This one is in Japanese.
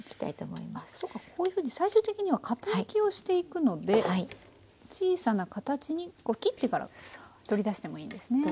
あっそっかこういうふうに最終的には型抜きをしていくので小さな形にこう切ってから取り出してもいいんですね。